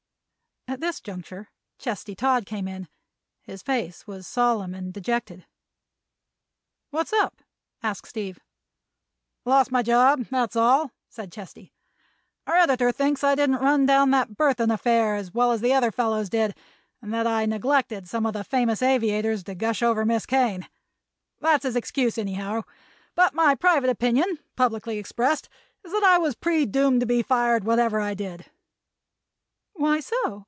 At this juncture Chesty Todd came in. His face was solemn and dejected. "What's up?" asked Steve. "Lost my job, that's all," said Chesty. "Our editor thinks I didn't run down that Burthon affair as well as the other fellows did and that I neglected some of the famous aviators to gush over Miss Kane. That's his excuse, anyhow; but my private opinion, publicly expressed, is that I was predoomed to be fired, whatever I did." "Why so?"